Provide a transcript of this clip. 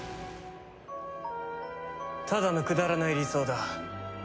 ただのくだらない理想だ。